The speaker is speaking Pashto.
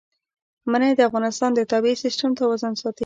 منی د افغانستان د طبعي سیسټم توازن ساتي.